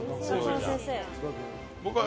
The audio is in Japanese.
僕は。